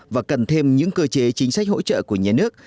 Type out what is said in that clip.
và cần thêm những cơ chế chính sách hỗ trợ của nhà nước